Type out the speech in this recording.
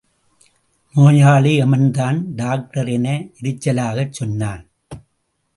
நோயாளி எமன்தான் டாக்டர்— என எரிசலாகச் சொன்னான்.